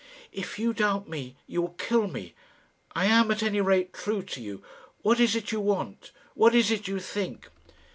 "If you doubt me, you will kill me. I am at any rate true to you. What is it you want? What is it you think?"